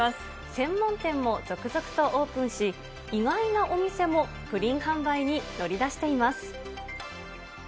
専門店も続々とオープンし、意外なお店もプリン販売に乗り出しています。